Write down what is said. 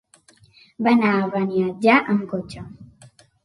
Va anar a Beniatjar amb cotxe.